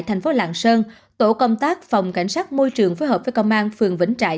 thành phố lạng sơn tổ công tác phòng cảnh sát môi trường phối hợp với công an phường vĩnh trại